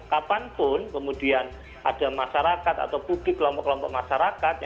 kapanpun kemudian ada masyarakat atau publik kelompok kelompok masyarakat